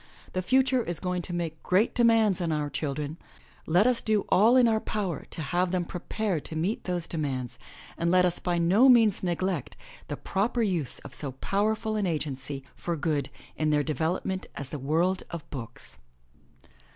The future is going to make great demands on our children. Let us do all in our power to have them prepared to meet those demands and let us by no means neglect the proper use of so powerful an agency for good in their development as the world of books.